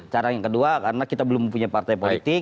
cara yang kedua karena kita belum punya partai politik